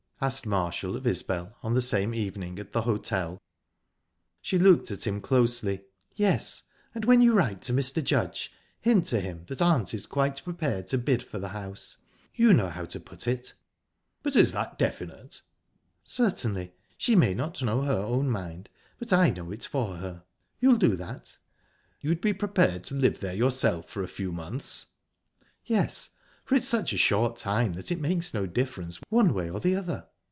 asked Marshall of Isbel on the same evening, at the hotel. She looked at him closely. "Yes. And when you write to Mr. Judge, hint to him that aunt is quite prepared to bid for the house. You know how to put it." "But is that definite?" "Certainly. She may not know her own mind, but I know it for her. You'll do that?" "You'd be prepared to live there yourself for a few months?" "Yes for it's such a short time that it makes no difference one way or the other."